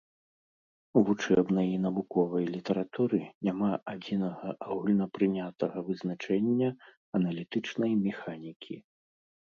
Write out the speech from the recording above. У вучэбнай і навуковай літаратуры няма адзінага агульнапрынятага вызначэння аналітычнай механікі.